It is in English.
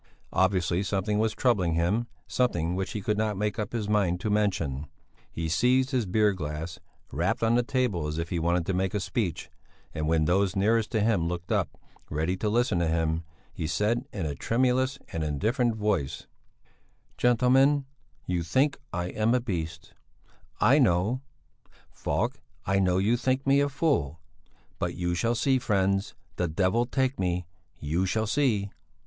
Obviously something was troubling him, something which he could not make up his mind to mention. He seized his beer glass, rapped on the table as if he wanted to make a speech, and when those nearest to him looked up ready to listen to him, he said in a tremulous and indifferent voice: "Gentlemen, you think I am a beast, I know; Falk, I know you think me a fool, but you shall see, friends the devil take me, you shall see!"